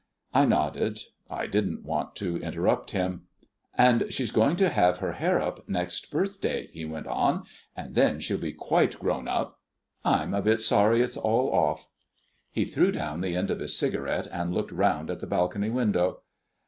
I nodded. I didn't want to interrupt him. "And she's going to have her hair up next birthday," he went on, "and then she'll be quite grown up. I'm a bit sorry it's all off." He threw down the end of his cigarette, and looked round at the balcony window.